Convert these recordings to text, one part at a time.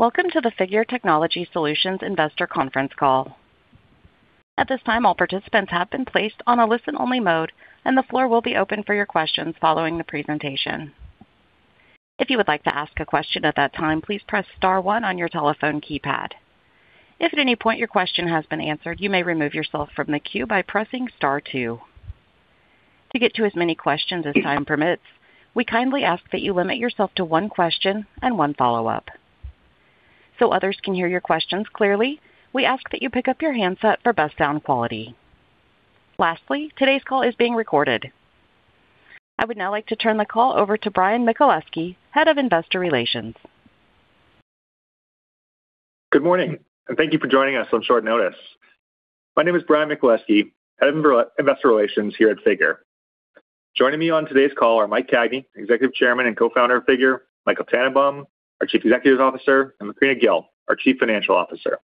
Welcome to the Figure Technology Solutions investor conference call. At this time, all participants have been placed on a listen-only mode, and the floor will be open for your questions following the presentation. If you would like to ask a question at that time, please press star one on your telephone keypad. If at any point your question has been answered, you may remove yourself from the queue by pressing star two. To get to as many questions as time permits, we kindly ask that you limit yourself to one question and one follow-up. Others can hear your questions clearly, we ask that you pick up your handset for best sound quality. Lastly, today's call is being recorded. I would now like to turn the call over to Bryan Michaleski, Head of Investor Relations. Good morning, thank you for joining us on short notice. My name is Bryan Michaleski, Head of Investor Relations here at Figure. Joining me on today's call are Mike Cagney, Executive Chairman and Co-founder of Figure, Michael Tannenbaum, our Chief Executive Officer, and Macrina Kgil, our Chief Financial Officer.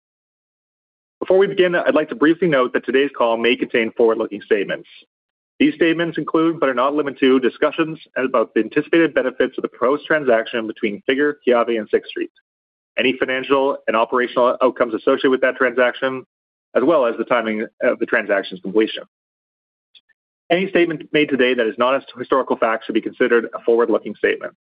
Before we begin, I'd like to briefly note that today's call may contain forward-looking statements. These statements include, but are not limited to, discussions about the anticipated benefits of the proposed transaction between Figure, Kiavi, and Sixth Street, any financial and operational outcomes associated with that transaction, as well as the timing of the transaction's completion. Any statement made today that is not a historical fact should be considered a forward-looking statement.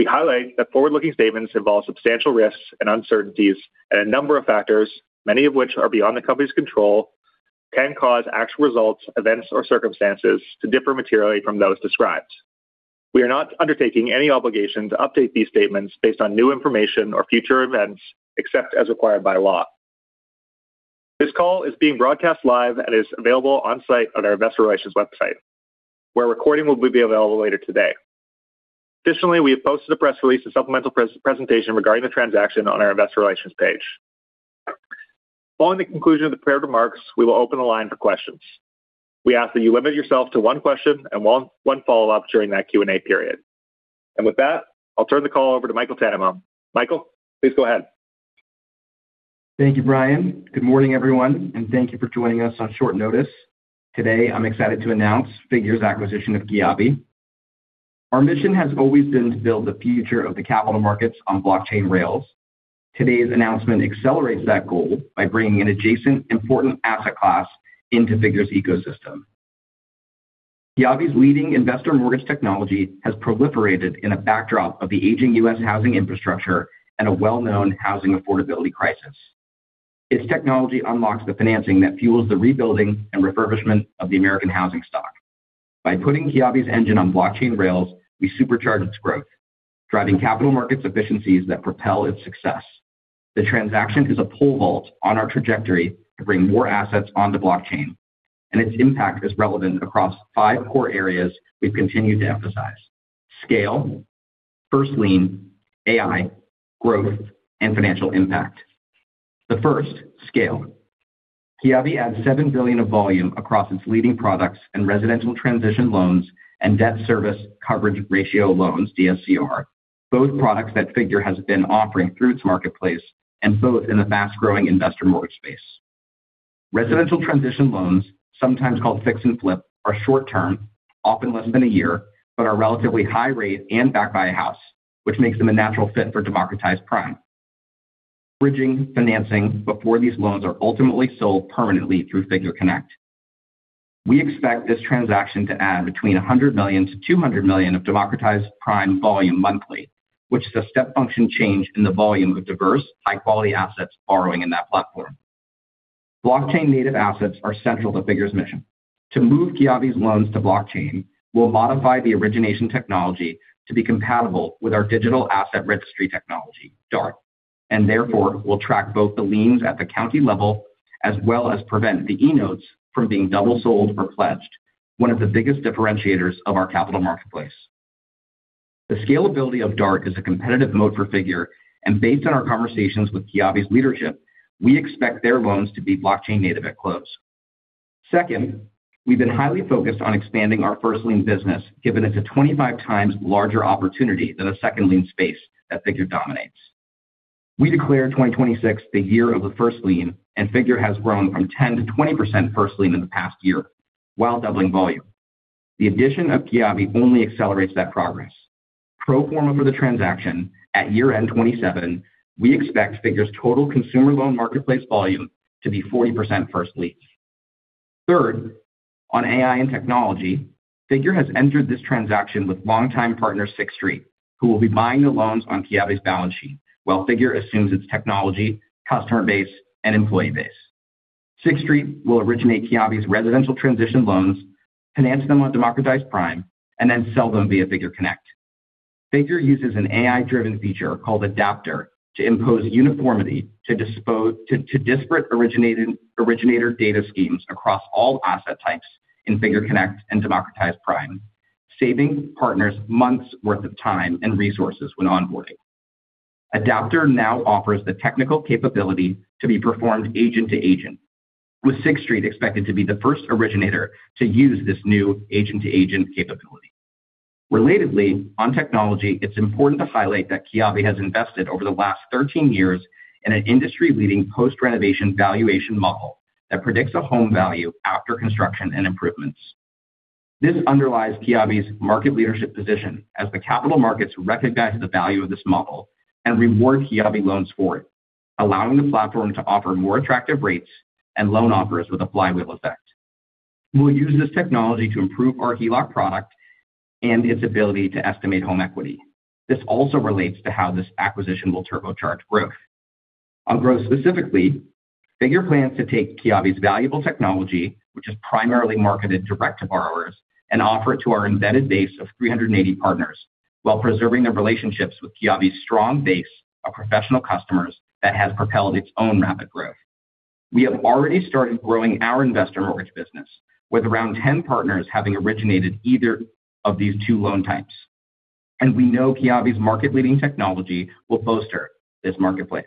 We highlight that forward-looking statements involve substantial risks and uncertainties, a number of factors, many of which are beyond the company's control, can cause actual results, events, or circumstances to differ materially from those described. We are not undertaking any obligation to update these statements based on new information or future events, except as required by law. This call is being broadcast live and is available onsite at our investor relations website, where a recording will be available later today. Additionally, we have posted a press release and supplemental presentation regarding the transaction on our investor relations page. Following the conclusion of the prepared remarks, we will open the line for questions. We ask that you limit yourself to one question and one follow-up during that Q&A period. With that, I'll turn the call over to Michael Tannenbaum. Michael, please go ahead. Thank you, Bryan. Good morning, everyone, thank you for joining us on short notice. Today, I'm excited to announce Figure's acquisition of Kiavi. Our mission has always been to build the future of the capital markets on blockchain rails. Today's announcement accelerates that goal by bringing an adjacent, important asset class into Figure's ecosystem. Kiavi's leading investor mortgage technology has proliferated in a backdrop of the aging U.S. housing infrastructure and a well-known housing affordability crisis. Its technology unlocks the financing that fuels the rebuilding and refurbishment of the American housing stock. By putting Kiavi's engine on blockchain rails, we supercharge its growth, driving capital markets efficiencies that propel its success. The transaction is a pole vault on our trajectory to bring more assets onto blockchain, and its impact is relevant across five core areas we've continued to emphasize. Scale, first lien, AI, growth, and financial impact. The first, scale. Kiavi adds $7 billion of volume across its leading products and residential transition loans and debt service coverage ratio loans, DSCR. Both products that Figure has been offering through its marketplace, and both in the fast-growing investor mortgage space. Residential transition loans, sometimes called fix and flip, are short-term, often less than a year, but are relatively high rate and backed by a house, which makes them a natural fit for Democratized Prime. Bridging financing before these loans are ultimately sold permanently through Figure Connect. We expect this transaction to add between $100 million-$200 million of Democratized Prime volume monthly, which is a step function change in the volume of diverse, high-quality assets borrowing in that platform. Blockchain-native assets are central to Figure's mission. To move Kiavi's loans to blockchain, we'll modify the origination technology to be compatible with our digital asset registry technology, DART, and therefore will track both the liens at the county level, as well as prevent the eNote from being double sold or pledged, one of the biggest differentiators of our capital marketplace. The scalability of DART is a competitive moat for Figure, and based on our conversations with Kiavi's leadership, we expect their loans to be blockchain-native at close. Second, we've been highly focused on expanding our first lien business, given it's a 25x larger opportunity than a second lien space that Figure dominates. We declared 2026 the year of the first lien, and Figure has grown from 10%-20% first lien in the past year while doubling volume. The addition of Kiavi only accelerates that progress. Pro forma for the transaction, at year-end 2027, we expect Figure's total consumer loan marketplace volume to be 40% first liens. Third, on AI and technology, Figure has entered this transaction with longtime partner Sixth Street, who will be buying the loans on Kiavi's balance sheet while Figure assumes its technology, customer base, and employee base. Sixth Street will originate Kiavi's residential transition loans, finance them on Democratized Prime, and then sell them via Figure Connect. Figure uses an AI-driven feature called Adaptor to impose uniformity to disparate originator data schemes across all asset types in Figure Connect and Democratized Prime, saving partners months' worth of time and resources when onboarding. Adaptor now offers the technical capability to be performed agent-to-agent, with Sixth Street expected to be the first originator to use this new agent-to-agent capability. Relatedly, on technology, it's important to highlight that Kiavi has invested over the last 13 years in an industry-leading post-renovation valuation model that predicts a home value after construction and improvements. This underlies Kiavi's market leadership position as the capital markets recognize the value of this model and reward Kiavi loans for it, allowing the platform to offer more attractive rates and loan offers with a flywheel effect. We'll use this technology to improve our HELOC product and its ability to estimate home equity. This also relates to how this acquisition will turbocharge growth. On growth specifically, Figure plans to take Kiavi's valuable technology, which is primarily marketed direct to borrowers, and offer it to our embedded base of 380 partners while preserving the relationships with Kiavi's strong base of professional customers that has propelled its own rapid growth. We have already started growing our investor mortgage business with around 10 partners having originated either of these two loan types. We know Kiavi's market leading technology will bolster this marketplace.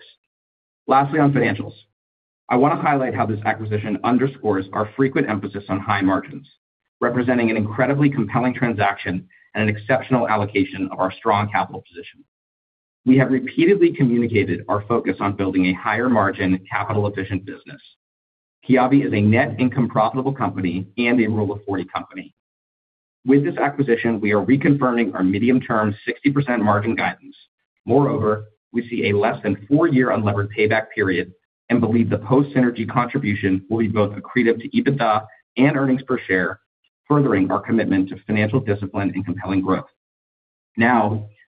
Lastly, on financials, I want to highlight how this acquisition underscores our frequent emphasis on high margins, representing an incredibly compelling transaction and an exceptional allocation of our strong capital position. We have repeatedly communicated our focus on building a higher margin, capital efficient business. Kiavi is a net income profitable company and a Rule of 40 company. With this acquisition, we are reconfirming our medium-term 60% margin guidance. We see a less than four year unlevered payback period and believe the post synergy contribution will be both accretive to EBITDA and earnings per share, furthering our commitment to financial discipline and compelling growth.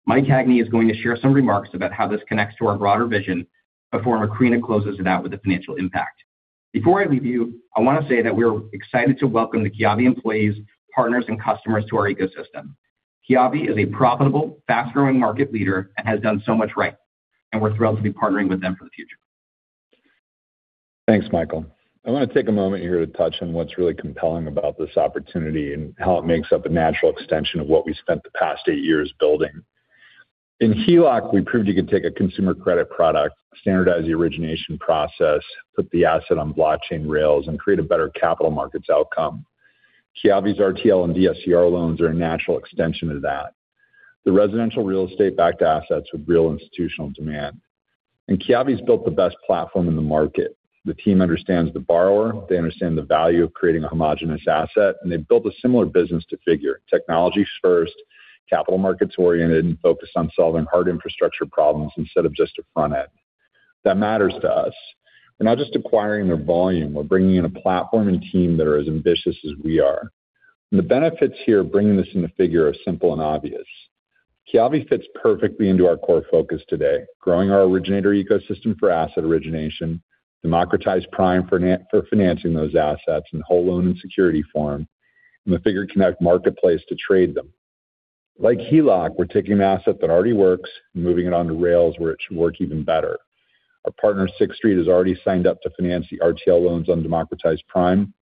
Mike Cagney is going to share some remarks about how this connects to our broader vision before Macrina closes it out with the financial impact. Before I leave you, I want to say that we're excited to welcome the Kiavi employees, partners, and customers to our ecosystem. Kiavi is a profitable, fast-growing market leader and has done so much right, we're thrilled to be partnering with them for the future. Thanks, Michael. I want to take a moment here to touch on what's really compelling about this opportunity and how it makes up a natural extension of what we spent the past eight years building. In HELOC, we proved you could take a consumer credit product, standardize the origination process, put the asset on blockchain rails, and create a better capital markets outcome. Kiavi's RTL and DSCR loans are a natural extension of that. They're residential real estate backed assets with real institutional demand. Kiavi's built the best platform in the market. The team understands the borrower, they understand the value of creating a homogenous asset, and they've built a similar business to Figure. Technology first, capital markets oriented, and focused on solving hard infrastructure problems instead of just a front end. That matters to us. We're not just acquiring their volume. We're bringing in a platform and team that are as ambitious as we are. The benefits here of bringing this into Figure are simple and obvious. Kiavi fits perfectly into our core focus today, growing our originator ecosystem for asset origination, Democratized Prime for financing those assets in whole loan and security form, and the Figure Connect marketplace to trade them. Like HELOC, we're taking an asset that already works and moving it onto rails where it should work even better. Our partner Sixth Street is already signed up to finance the RTL loans on Democratized Prime,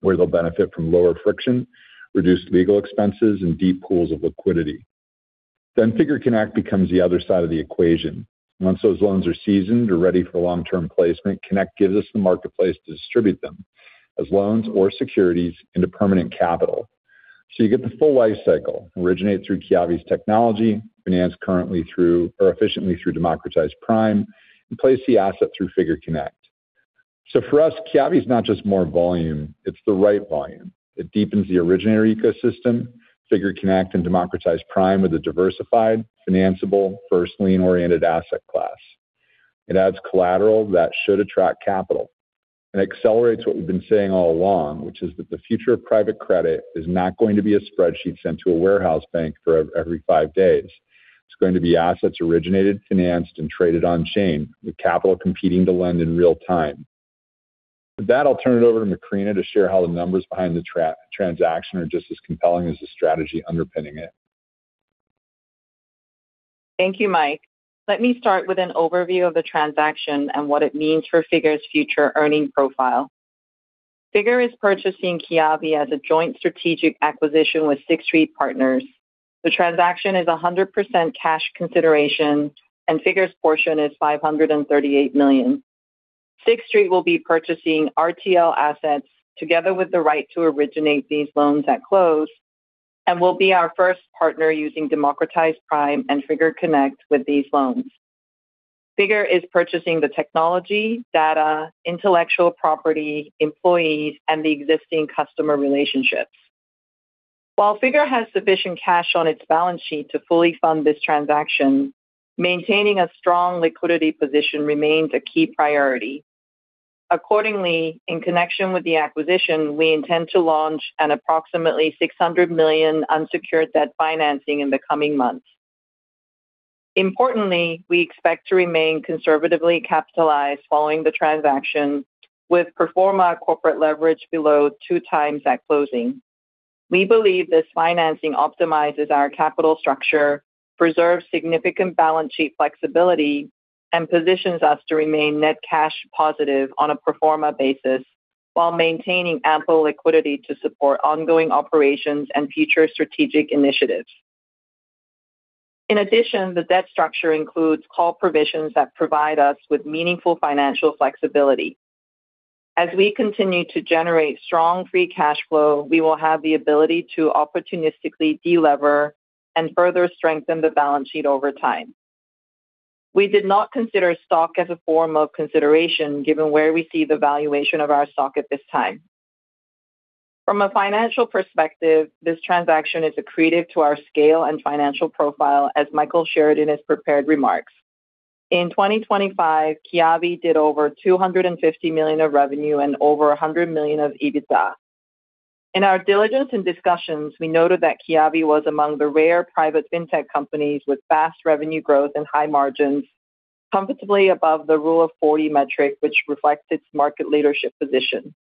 where they'll benefit from lower friction, reduced legal expenses, and deep pools of liquidity. Figure Connect becomes the other side of the equation. Once those loans are seasoned or ready for long-term placement, Connect gives us the marketplace to distribute them as loans or securities into permanent capital. You get the full life cycle, originate through Kiavi's technology, finance efficiently through Democratized Prime, and place the asset through Figure Connect. For us, Kiavi is not just more volume, it's the right volume. It deepens the originator ecosystem. Figure Connect and Democratized Prime with a diversified, financeable, first lien oriented asset class. It adds collateral that should attract capital and accelerates what we've been saying all along, which is that the future of private credit is not going to be a spreadsheet sent to a warehouse bank every five days. It's going to be assets originated, financed, and traded on chain with capital competing to lend in real time. With that, I'll turn it over to Macrina to share how the numbers behind the transaction are just as compelling as the strategy underpinning it. Thank you, Mike. Let me start with an overview of the transaction and what it means for Figure's future earning profile. Figure is purchasing Kiavi as a joint strategic acquisition with Sixth Street Partners. The transaction is 100% cash consideration and Figure's portion is $538 million. Sixth Street will be purchasing RTL assets together with the right to originate these loans at close and will be our first partner using Democratized Prime and Figure Connect with these loans. Figure is purchasing the technology, data, intellectual property, employees, and the existing customer relationships. While Figure has sufficient cash on its balance sheet to fully fund this transaction, maintaining a strong liquidity position remains a key priority. Accordingly, in connection with the acquisition, we intend to launch an approximately $600 million unsecured debt financing in the coming months. Importantly, we expect to remain conservatively capitalized following the transaction with pro forma corporate leverage below 2x at closing. We believe this financing optimizes our capital structure, preserves significant balance sheet flexibility, and positions us to remain net cash positive on a pro forma basis while maintaining ample liquidity to support ongoing operations and future strategic initiatives. In addition, the debt structure includes call provisions that provide us with meaningful financial flexibility. As we continue to generate strong free cash flow, we will have the ability to opportunistically de-lever and further strengthen the balance sheet over time. We did not consider stock as a form of consideration given where we see the valuation of our stock at this time. From a financial perspective, this transaction is accretive to our scale and financial profile, as Michael shared in his prepared remarks. In 2025, Kiavi did over $250 million of revenue and over $100 million of EBITDA. In our diligence and discussions, we noted that Kiavi was among the rare private fintech companies with fast revenue growth and high margins comfortably above the Rule of 40 metric, which reflects its market leadership position.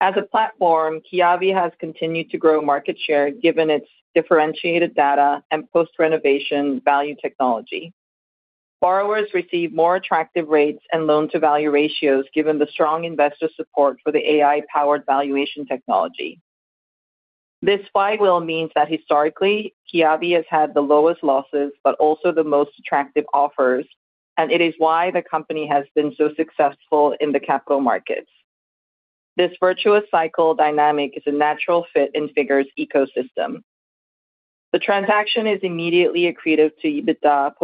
As a platform, Kiavi has continued to grow market share given its differentiated data and post-renovation value technology. Borrowers receive more attractive rates and loan-to-value ratios given the strong investor support for the AI-powered valuation technology. This flywheel means that historically, Kiavi has had the lowest losses, but also the most attractive offers, and it is why the company has been so successful in the capital markets. This virtuous cycle dynamic is a natural fit in Figure's ecosystem. The transaction is immediately accretive to EBITDA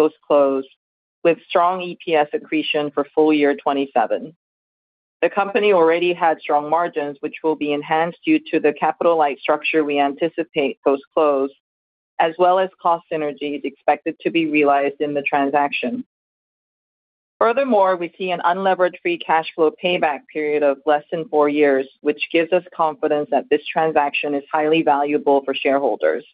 post-close, with strong EPS accretion for full year 2027. The company already had strong margins, which will be enhanced due to the capital-light structure we anticipate post-close, as well as cost synergies expected to be realized in the transaction. Furthermore, we see an unlevered free cash flow payback period of less than four years, which gives us confidence that this transaction is highly valuable for shareholders.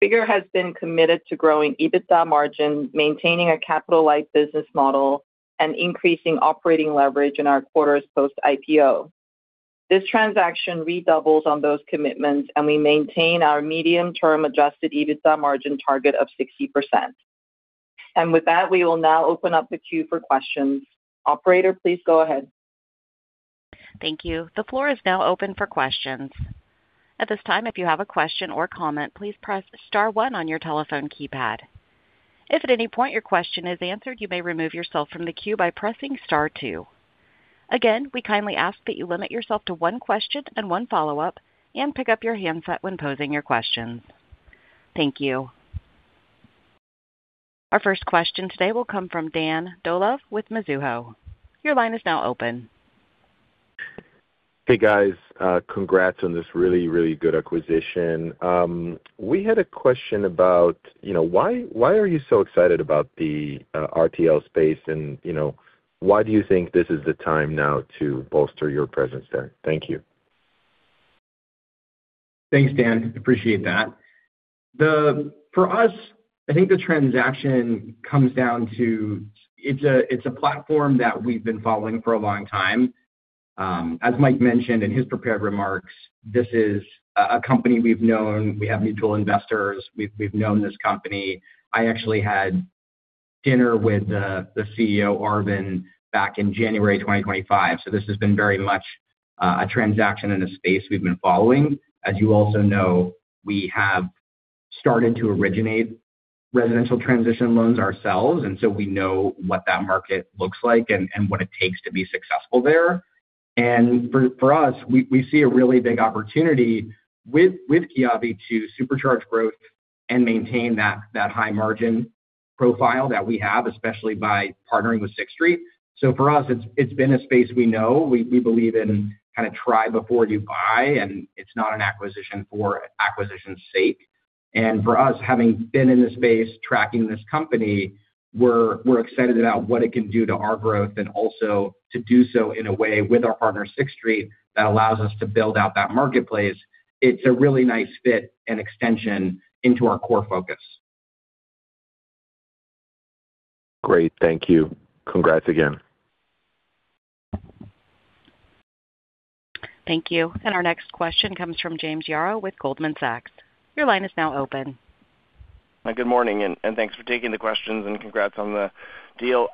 Figure has been committed to growing EBITDA margin, maintaining a capital-light business model, and increasing operating leverage in our quarters post-IPO. This transaction redoubles on those commitments. We maintain our medium-term adjusted EBITDA margin target of 60%. With that, we will now open up the queue for questions. Operator, please go ahead. Thank you. The floor is now open for questions. At this time, if you have a question or comment, please press star one on your telephone keypad. If at any point your question is answered, you may remove yourself from the queue by pressing star two. Again, we kindly ask that you limit yourself to one question and one follow-up and pick up your handset when posing your questions. Thank you. Our first question today will come from Dan Dolev with Mizuho. Your line is now open. Hey, guys. Congrats on this really, really good acquisition. We had a question about why are you so excited about the RTL space, and why do you think this is the time now to bolster your presence there? Thank you. Thanks, Dan. Appreciate that. For us, I think the transaction comes down to it's a platform that we've been following for a long time. As Mike mentioned in his prepared remarks, this is a company we've known. We have mutual investors. We've known this company. I actually had dinner with the CEO, Arvind, back in January 2025, so this has been very much a transaction in a space we've been following. As you also know, we have started to originate residential transition loans ourselves. We know what that market looks like and what it takes to be successful there. For us, we see a really big opportunity with Kiavi to supercharge growth and maintain that high margin profile that we have, especially by partnering with Sixth Street. For us, it's been a space we know. We believe in kind of try before you buy. It's not an acquisition for acquisition's sake. For us, having been in this space, tracking this company, we're excited about what it can do to our growth and also to do so in a way with our partner, Sixth Street, that allows us to build out that marketplace. It's a really nice fit and extension into our core focus. Great. Thank you. Congrats again. Thank you. Our next question comes from James Yaro with Goldman Sachs. Your line is now open. Good morning, thanks for taking the questions, congrats on the deal.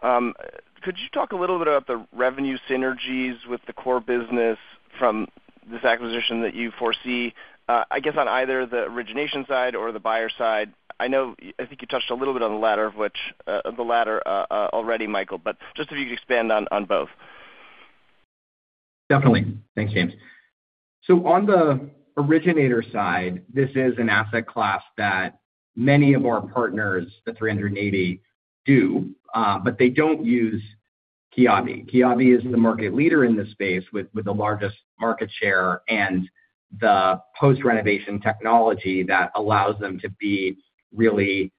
Could you talk a little bit about the revenue synergies with the core business from this acquisition that you foresee, I guess, on either the origination side or the buyer side? I think you touched a little bit on the latter already, Michael, but just if you could expand on both. Definitely. Thanks, James. On the originator side, this is an asset class that many of our partners, the 380, do. They don't use Kiavi. Kiavi is the market leader in this space with the largest market share and the post-renovation technology that allows them to be really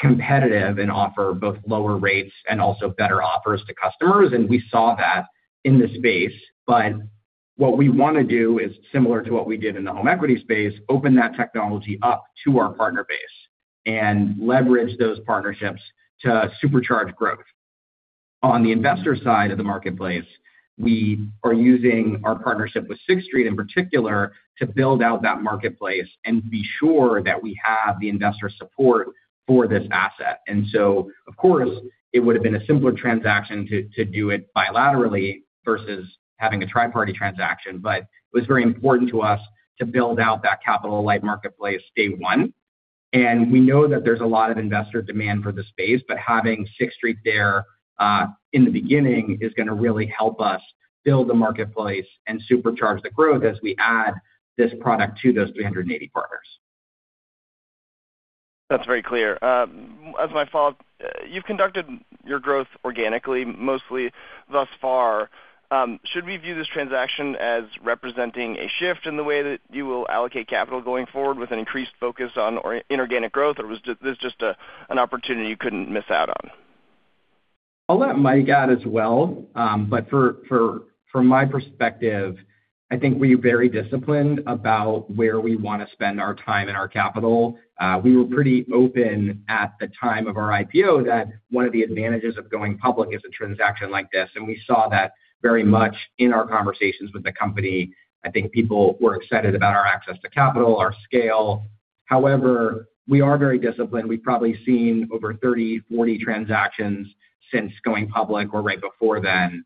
competitive and offer both lower rates and also better offers to customers. We saw that in this space. What we want to do is similar to what we did in the home equity space, open that technology up to our partner base and leverage those partnerships to supercharge growth. On the investor side of the marketplace, we are using our partnership with Sixth Street in particular to build out that marketplace and be sure that we have the investor support for this asset. Of course, it would have been a simpler transaction to do it bilaterally versus having a tri-party transaction. It was very important to us to build out that capital-light marketplace day one. We know that there's a lot of investor demand for the space, having Sixth Street there in the beginning is going to really help us build the marketplace and supercharge the growth as we add this product to those 380 partners. That's very clear. As my follow-up, you've conducted your growth organically, mostly thus far. Should we view this transaction as representing a shift in the way that you will allocate capital going forward with an increased focus on inorganic growth, or was this just an opportunity you couldn't miss out on? I'll let Mike add as well. From my perspective, I think we're very disciplined about where we want to spend our time and our capital. We were pretty open at the time of our IPO that one of the advantages of going public is a transaction like this, we saw that very much in our conversations with the company. I think people were excited about our access to capital, our scale. However, we are very disciplined. We've probably seen over 30, 40 transactions since going public or right before then,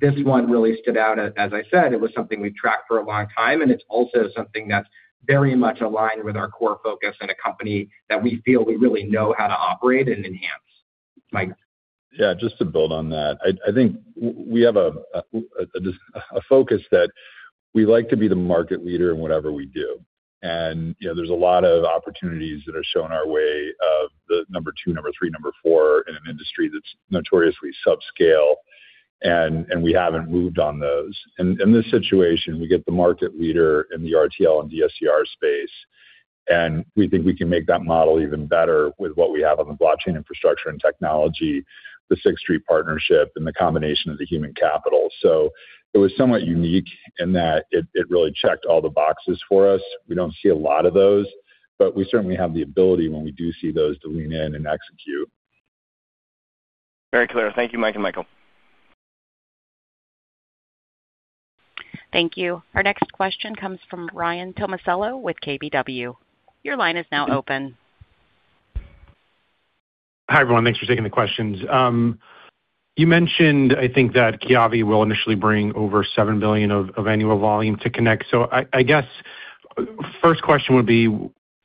this one really stood out. As I said, it was something we've tracked for a long time, it's also something that's very much aligned with our core focus and a company that we feel we really know how to operate and enhance. Mike? Yeah, just to build on that. I think we have a focus that we like to be the market leader in whatever we do. There's a lot of opportunities that are shown our way of the number two, number three, number four in an industry that's notoriously subscale, and we haven't moved on those. In this situation, we get the market leader in the RTL and DSCR space, and we think we can make that model even better with what we have on the blockchain infrastructure and technology, the Sixth Street partnership, and the combination of the human capital. It was somewhat unique in that it really checked all the boxes for us. We don't see a lot of those, but we certainly have the ability when we do see those to lean in and execute. Very clear. Thank you, Mike and Michael. Thank you. Our next question comes from Ryan Tomasello with KBW. Your line is now open. Hi, everyone. Thanks for taking the questions. You mentioned, I think, that Kiavi will initially bring over $7 billion of annual volume to Connect. I guess first question would be,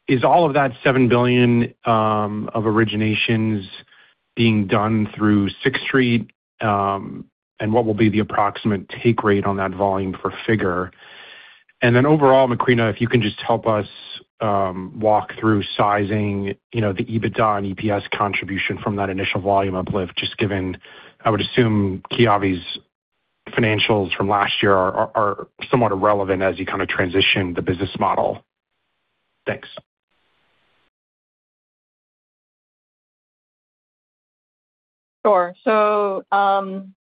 is all of that $7 billion of originations being done through Sixth Street? What will be the approximate take rate on that volume for Figure? Then overall, Macrina, if you can just help us walk through sizing the EBITDA and EPS contribution from that initial volume uplift, just given, I would assume Kiavi's financials from last year are somewhat irrelevant as you kind of transition the business model. Thanks. Sure.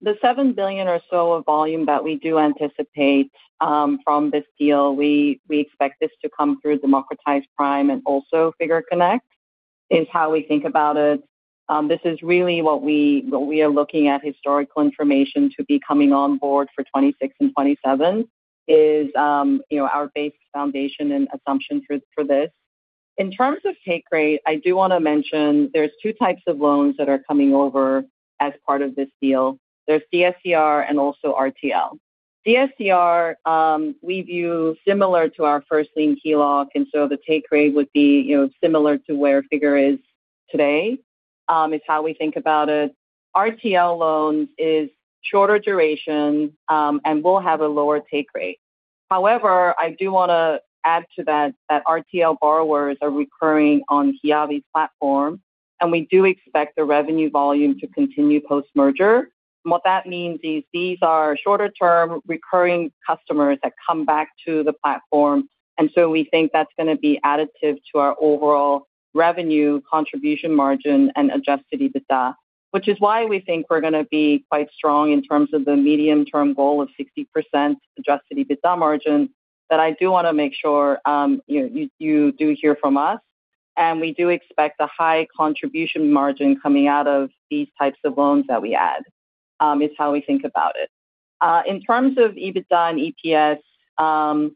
The $7 billion or so of volume that we do anticipate from this deal, we expect this to come through Democratized Prime and also Figure Connect, is how we think about it. This is really what we are looking at historical information to be coming on board for 2026 and 2027 is our base foundation and assumption for this. In terms of take rate, I do want to mention there's two types of loans that are coming over as part of this deal. There's DSCR and also RTL. DSCR we view similar to our first lien HELOC, the take rate would be similar to where Figure is today, is how we think about it. RTL loans is shorter duration and will have a lower take rate. However, I do want to add to that RTL borrowers are recurring on Kiavi's platform, we do expect the revenue volume to continue post-merger. What that means is these are shorter term recurring customers that come back to the platform, we think that's going to be additive to our overall revenue contribution margin and adjusted EBITDA. Which is why we think we're going to be quite strong in terms of the medium-term goal of 60% adjusted EBITDA margin. I do want to make sure you do hear from us, we do expect a high contribution margin coming out of these types of loans that we add, is how we think about it. In terms of EBITDA and EPS,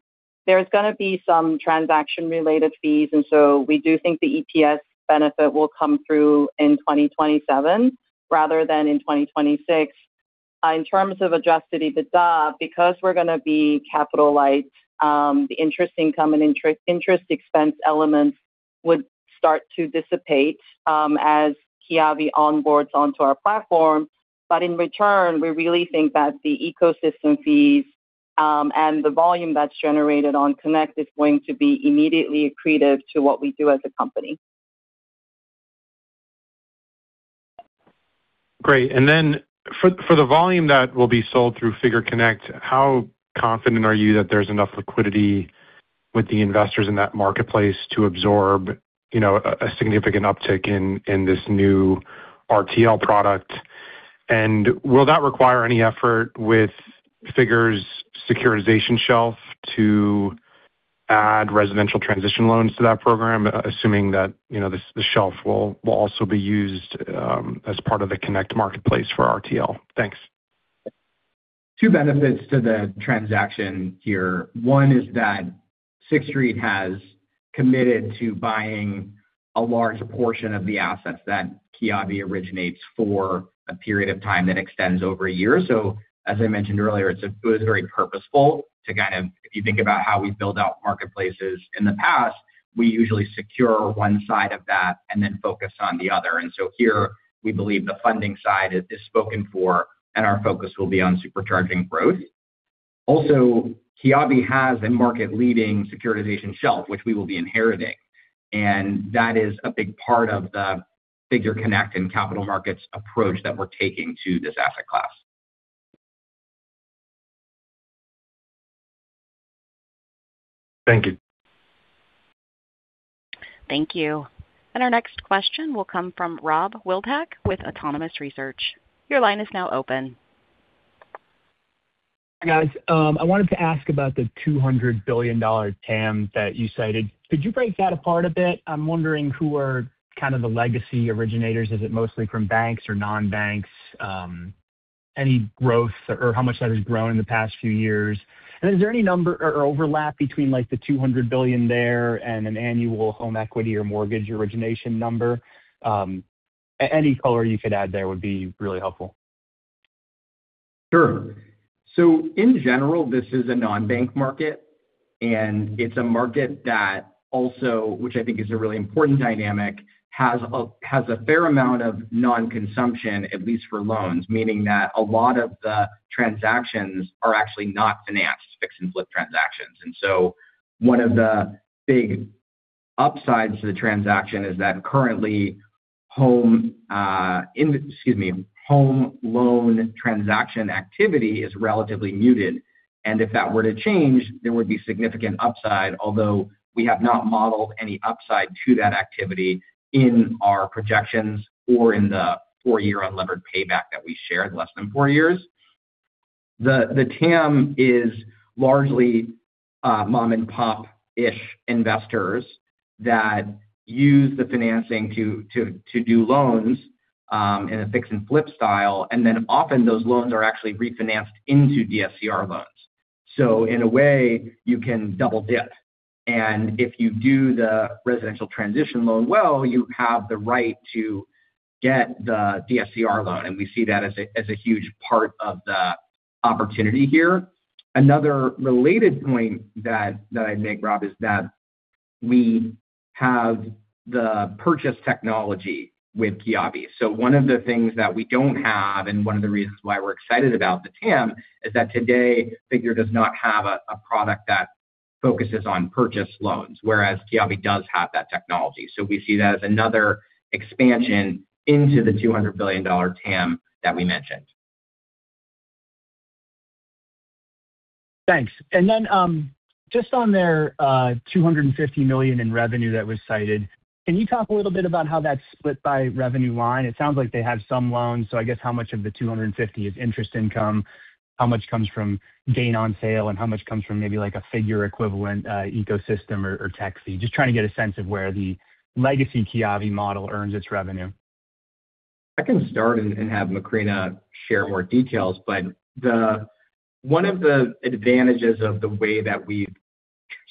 there's going to be some transaction-related fees, we do think the EPS benefit will come through in 2027 rather than in 2026. In terms of adjusted EBITDA, because we're going to be capital light, the interest income and interest expense elements would start to dissipate as Kiavi onboards onto our platform. In return, we really think that the ecosystem fees, the volume that's generated on Connect is going to be immediately accretive to what we do as a company. Great. For the volume that will be sold through Figure Connect, how confident are you that there's enough liquidity with the investors in that marketplace to absorb a significant uptick in this new RTL product? Will that require any effort with Figure's securitization shelf to add residential transition loans to that program, assuming that the shelf will also be used as part of the Connect marketplace for RTL? Thanks. Two benefits to the transaction here. One is that Sixth Street has committed to buying a large portion of the assets that Kiavi originates for a period of time that extends over a year. As I mentioned earlier, it was very purposeful to kind of, if you think about how we build out marketplaces in the past, we usually secure one side of that and then focus on the other. Here we believe the funding side is spoken for, and our focus will be on supercharging growth. Also, Kiavi has a market-leading securitization shelf, which we will be inheriting, and that is a big part of the Figure Connect and capital markets approach that we're taking to this asset class. Thank you. Thank you. Our next question will come from Rob Wildhack with Autonomous Research. Your line is now open. Hi, guys. I wanted to ask about the $200 billion TAM that you cited. Could you break that apart a bit? I'm wondering who are kind of the legacy originators. Is it mostly from banks or non-banks? Any growth or how much that has grown in the past few years? Then is there any number or overlap between the $200 billion there and an annual home equity or mortgage origination number? Any color you could add there would be really helpful. Sure. In general, this is a non-bank market. It's a market that also, which I think is a really important dynamic, has a fair amount of non-consumption, at least for loans, meaning that a lot of the transactions are actually not financed fix and flip transactions. One of the big upsides to the transaction is that currently, home loan transaction activity is relatively muted, and if that were to change, there would be significant upside. Although we have not modeled any upside to that activity in our projections or in the four-year unlevered payback that we shared, less than four years. The TAM is largely mom and pop-ish investors that use the financing to do loans in a fix and flip style. Often those loans are actually refinanced into DSCR loans. In a way, you can double-dip. If you do the residential transition loan well, you have the right to get the DSCR loan. We see that as a huge part of the opportunity here. Another related point that I'd make, Rob, is that we have the purchase technology with Kiavi. One of the things that we don't have, and one of the reasons why we're excited about the TAM, is that today Figure does not have a product that focuses on purchase loans, whereas Kiavi does have that technology. We see that as another expansion into the $200 billion TAM that we mentioned. Thanks. Just on their $250 million in revenue that was cited, can you talk a little bit about how that's split by revenue line? It sounds like they have some loans. I guess how much of the $250 million is interest income, how much comes from gain on sale, and how much comes from maybe like a Figure equivalent ecosystem or tech fee? Just trying to get a sense of where the legacy Kiavi model earns its revenue. I can start and have Macrina share more details. One of the advantages of the way that we've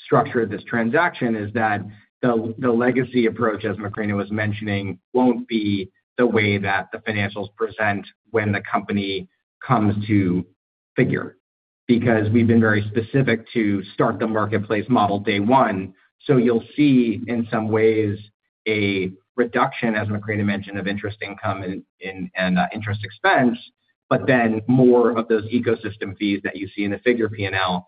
structured this transaction is that the legacy approach, as Macrina was mentioning, won't be the way that the financials present when the company comes to Figure. We've been very specific to start the marketplace model day one. You'll see, in some ways, a reduction, as Macrina mentioned, of interest income and interest expense, then more of those ecosystem fees that you see in the Figure P&L.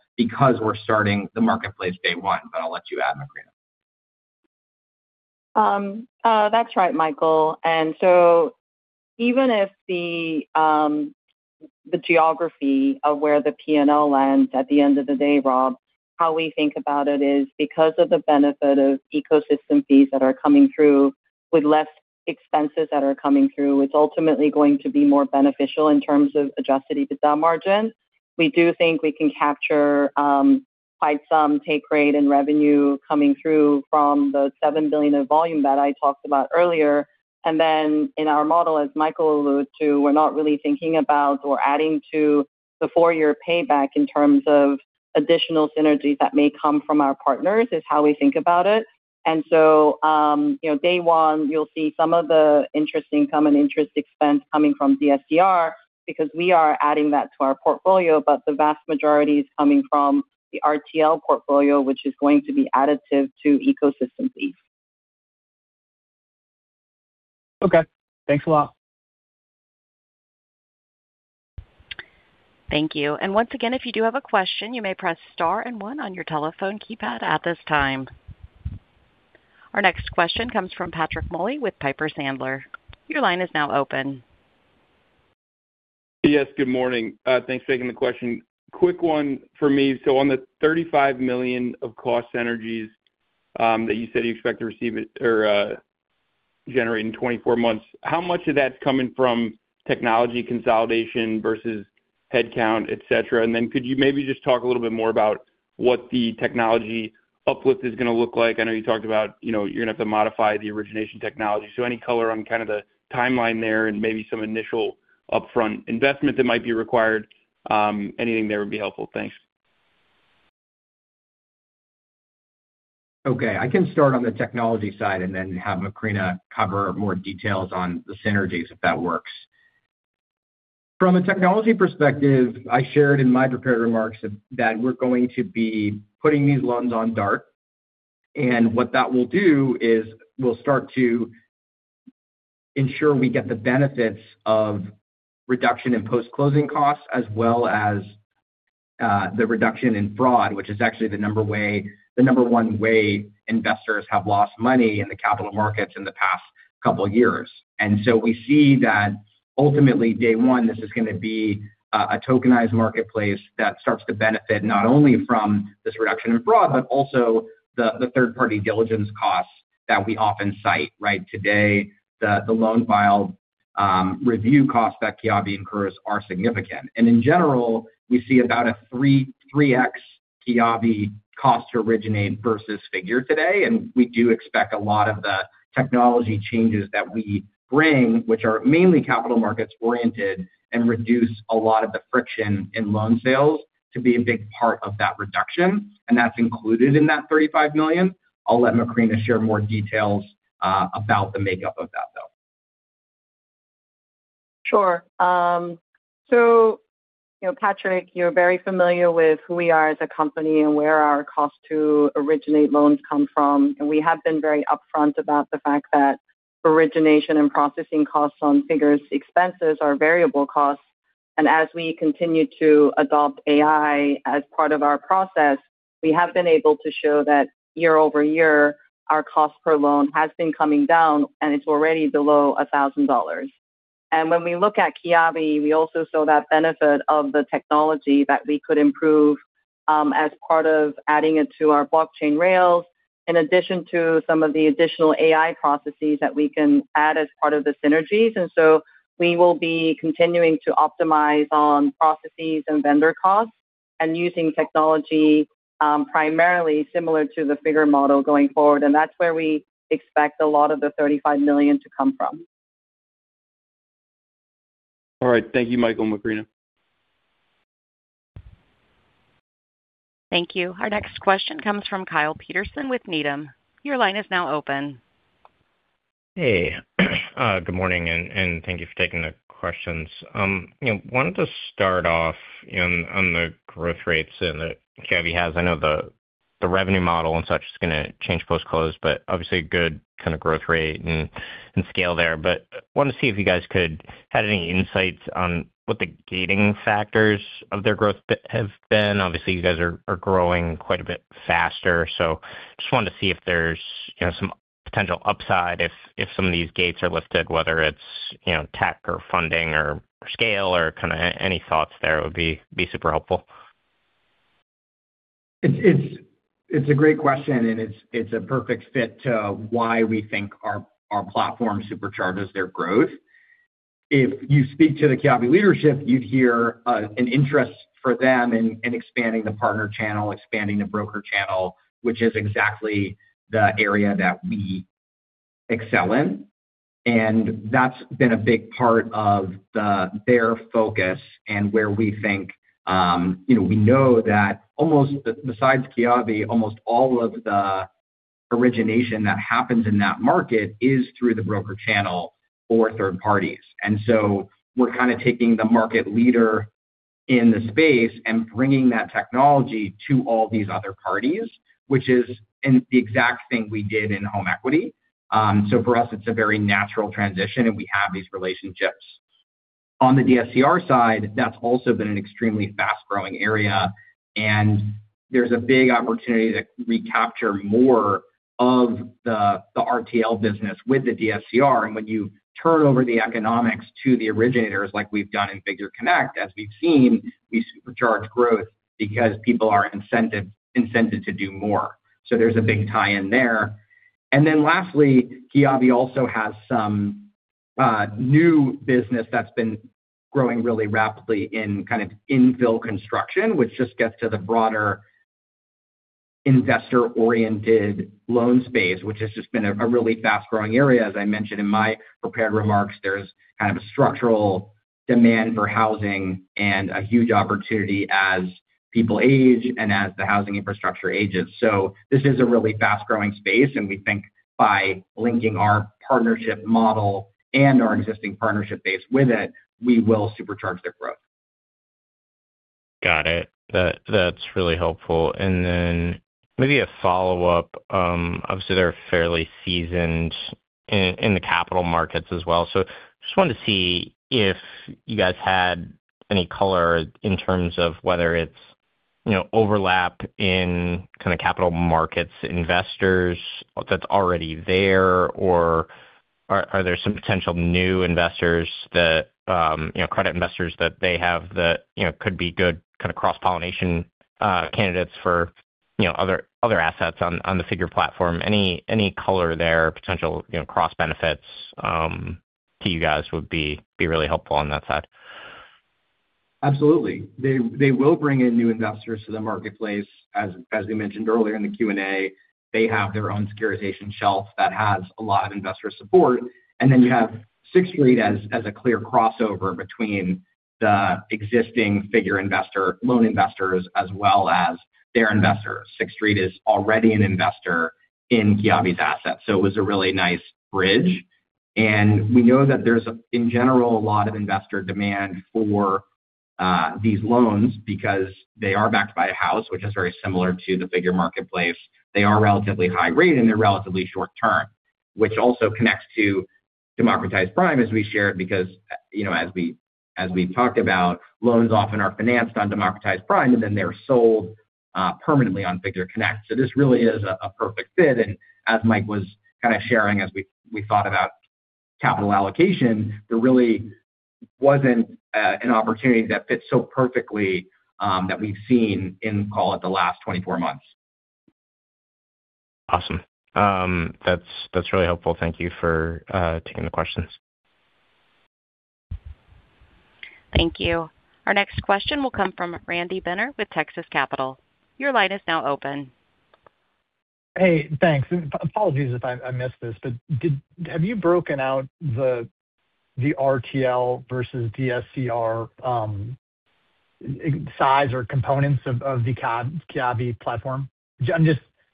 We're starting the marketplace day one. I'll let you add, Macrina. That's right, Michael. Even if the geography of where the P&L lands at the end of the day, Rob, how we think about it is because of the benefit of ecosystem fees that are coming through with less expenses that are coming through, it's ultimately going to be more beneficial in terms of adjusted EBITDA margin. We do think we can capture quite some take rate and revenue coming through from the $7 billion of volume that I talked about earlier. In our model, as Michael alluded to, we're not really thinking about or adding to the four-year payback in terms of additional synergies that may come from our partners, is how we think about it. Day one, you'll see some of the interest income and interest expense coming from DSCR because we are adding that to our portfolio. The vast majority is coming from the RTL portfolio, which is going to be additive to ecosystem fees. Okay. Thanks a lot. Thank you. Once again, if you do have a question, you may press star and one on your telephone keypad at this time. Our next question comes from Patrick Moley with Piper Sandler. Your line is now open. Yes, good morning. Thanks for taking the question. Quick one for me. On the $35 million of cost synergies that you said you expect to receive or generate in 24 months, how much of that's coming from technology consolidation versus headcount, et cetera? Could you maybe just talk a little bit more about what the technology uplift is going to look like? I know you talked about you're going to have to modify the origination technology. Any color on kind of the timeline there and maybe some initial upfront investment that might be required. Anything there would be helpful. Thanks. Okay. I can start on the technology side and then have Macrina cover more details on the synergies, if that works. From a technology perspective, I shared in my prepared remarks that we're going to be putting these loans on DART. What that will do is we'll start to ensure we get the benefits of reduction in post-closing costs as well as the reduction in fraud, which is actually the number 1 way investors have lost money in the capital markets in the past couple of years. We see that ultimately day 1, this is going to be a tokenized marketplace that starts to benefit not only from this reduction in fraud, but also the third-party diligence costs that we often cite, right? Today, the loan file review costs that Kiavi incurs are significant. In general, we see about a 3x Kiavi cost to originate versus Figure today. We do expect a lot of the technology changes that we bring, which are mainly capital markets oriented and reduce a lot of the friction in loan sales to be a big part of that reduction. That's included in that $35 million. I'll let Macrina share more details about the makeup of that, though. Sure. Patrick, you're very familiar with who we are as a company and where our cost to originate loans come from. We have been very upfront about the fact that origination and processing costs on Figure's expenses are variable costs. As we continue to adopt AI as part of our process, we have been able to show that year-over-year, our cost per loan has been coming down, and it's already below $1,000. When we look at Kiavi, we also saw that benefit of the technology that we could improve as part of adding it to our blockchain rails, in addition to some of the additional AI processes that we can add as part of the synergies. We will be continuing to optimize on processes and vendor costs and using technology primarily similar to the Figure model going forward. That's where we expect a lot of the $35 million to come from. All right. Thank you, Mike and Macrina. Thank you. Our next question comes from Kyle Peterson with Needham. Your line is now open. Hey. Good morning, and thank you for taking the questions. Wanted to start off on the growth rates that Kiavi has. I know the revenue model and such is going to change post-close, obviously a good kind of growth rate and scale there. Wanted to see if you guys had any insights on what the gating factors of their growth have been. Obviously, you guys are growing quite a bit faster, just wanted to see if there's some potential upside if some of these gates are lifted, whether it's tech or funding or scale or kind of any thoughts there would be super helpful. It's a great question, it's a perfect fit to why we think our platform supercharges their growth. If you speak to the Kiavi leadership, you'd hear an interest for them in expanding the partner channel, expanding the broker channel, which is exactly the area that we excel in. That's been a big part of their focus and where we know that almost, besides Kiavi, almost all of the origination that happens in that market is through the broker channel or third parties. We're kind of taking the market leader in the space and bringing that technology to all these other parties, which is the exact thing we did in home equity. For us, it's a very natural transition, and we have these relationships. On the DSCR side, that's also been an extremely fast-growing area, and there's a big opportunity to recapture more of the RTL business with the DSCR. When you turn over the economics to the originators like we've done in Figure Connect, as we've seen, we supercharge growth because people are incented to do more. There's a big tie in there. Lastly, Kiavi also has some new business that's been growing really rapidly in kind of infill construction, which just gets to the broader investor-oriented loan space, which has just been a really fast-growing area. As I mentioned in my prepared remarks, there's kind of a structural demand for housing and a huge opportunity as people age and as the housing infrastructure ages. This is a really fast-growing space, and we think by linking our partnership model and our existing partnership base with it, we will supercharge their growth. Got it. That's really helpful. Maybe a follow-up. Obviously, they're fairly seasoned in the capital markets as well. Just wanted to see if you guys had any color in terms of whether it's overlap in kind of capital markets investors that's already there, or are there some potential new credit investors that they have that could be good kind of cross-pollination candidates for other assets on the Figure platform. Any color there, potential cross-benefits to you guys would be really helpful on that side. Absolutely. They will bring in new investors to the marketplace, as we mentioned earlier in the Q&A. They have their own securitization shelf that has a lot of investor support. Then you have Sixth Street as a clear crossover between the existing Figure loan investors as well as their investors. Sixth Street is already an investor in Kiavi's asset, so it was a really nice bridge. We know that there's, in general, a lot of investor demand for These loans because they are backed by a house which is very similar to the Figure marketplace. They are relatively high rate, and they're relatively short-term, which also connects to Democratized Prime as we shared because as we've talked about, loans often are financed on Democratized Prime, then they're sold permanently on Figure Connect. This really is a perfect fit. As Mike was kind of sharing as we thought about capital allocation, there really wasn't an opportunity that fits so perfectly that we've seen in, call it the last 24 months. Awesome. That's really helpful. Thank you for taking the questions. Thank you. Our next question will come from Randy Binner with Texas Capital. Your line is now open. Hey, thanks. Apologies if I missed this, have you broken out the RTL versus DSCR size or components of the Kiavi platform?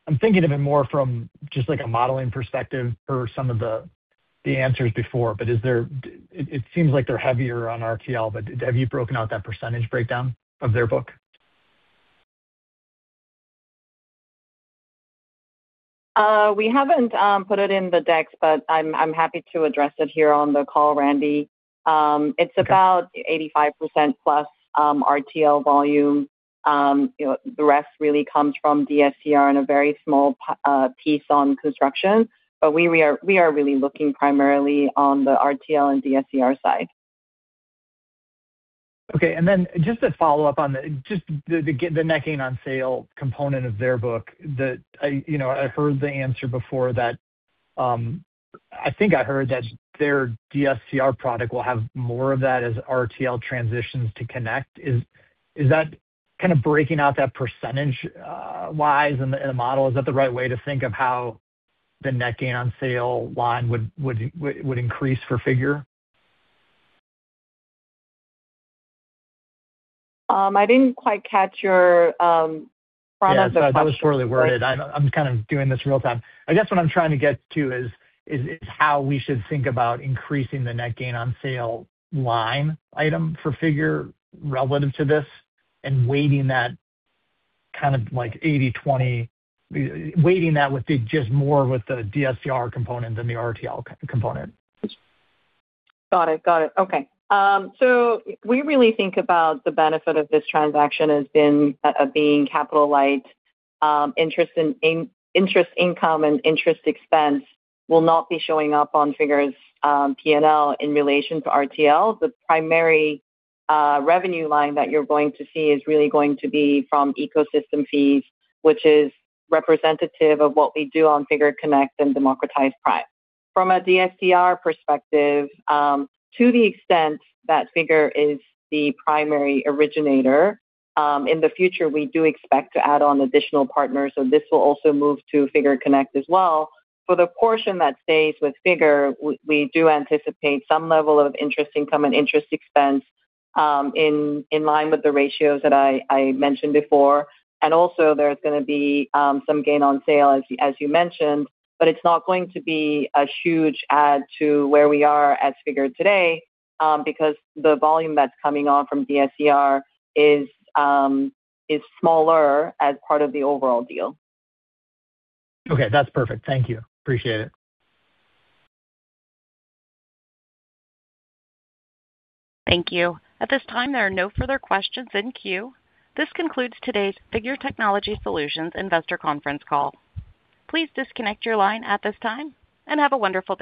I'm thinking of it more from just like a modeling perspective per some of the answers before. It seems like they're heavier on RTL, but have you broken out that percentage breakdown of their book? We haven't put it in the decks, but I'm happy to address it here on the call, Randy. It's about 85% plus RTL volume. The rest really comes from DSCR and a very small piece on construction. We are really looking primarily on the RTL and DSCR side. Okay, just to follow up on the net gain on sale component of their book. I heard the answer before, I think I heard that their DSCR product will have more of that as RTL transitions to Connect. Is that kind of breaking out that percentage wise in the model? Is that the right way to think of how the net gain on sale line would increase for Figure? I didn't quite catch your front of the question. That was poorly worded. I'm kind of doing this real-time. I guess what I'm trying to get to is how we should think about increasing the net gain on sale line item for Figure relative to this and weighting that kind of like 80/20, weighting that with the just more with the DSCR component than the RTL component. Got it. Okay. We really think about the benefit of this transaction as being capital light. Interest income and interest expense will not be showing up on Figure's P&L in relation to RTL. The primary revenue line that you're going to see is really going to be from ecosystem fees, which is representative of what we do on Figure Connect and Democratized Prime. From a DSCR perspective, to the extent that Figure is the primary originator, in the future we do expect to add on additional partners, this will also move to Figure Connect as well. For the portion that stays with Figure, we do anticipate some level of interest income and interest expense in line with the ratios that I mentioned before. Also there's going to be some gain on sale, as you mentioned, but it's not going to be a huge add to where we are as Figure today because the volume that's coming on from DSCR is smaller as part of the overall deal. Okay, that's perfect. Thank you. Appreciate it. Thank you. At this time, there are no further questions in queue. This concludes today's Figure Technology Solutions Investor Conference call. Please disconnect your line at this time and have a wonderful day.